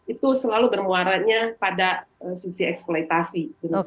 itu selalu bermuaranya pada sisi eksploitasi